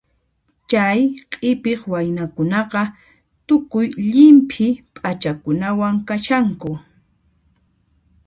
Chay q'ipiq waynakunaqa tukuy llimp'i p'achakunawan kashanku.